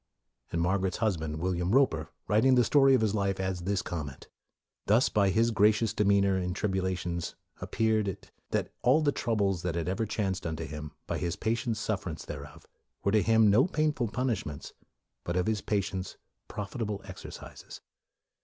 '' And Margaret's husband, William Roper, writing the story of his life, adds this comment, " Thus by his gracious demeanor in tribulations ap peared it, that all the troubles that ever chanced unto him, by his patient suffer ance thereof were to him no painful pun ishments, but of his patience profitable ex ercises.'